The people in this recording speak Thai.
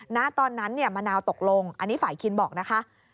ณตอนนั้นมะนาวตกลงอันนี้ฝ่ายคินบอกนะคะ